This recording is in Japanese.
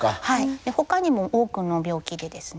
ほかにも多くの病気でですね